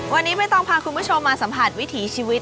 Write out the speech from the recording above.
วันนี้ไม่ต้องพาคุณผู้ชมมาสัมผัสวิถีชีวิต